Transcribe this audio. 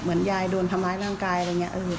ยายโดนทำร้ายร่างกายอะไรอย่างนี้